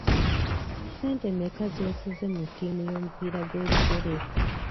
Ssente mmeka z'osize mu ttiimu y'omupiira gw'ebigere ?